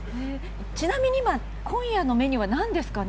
ちなみに今夜のメニューは何ですかね。